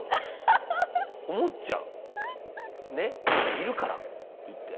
「いるから」って言って。